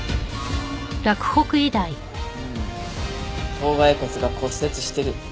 頭蓋骨が骨折してる。